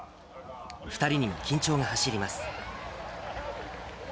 ２人に緊張が走ります。